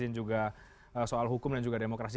dan juga soal hukum dan juga demokrasi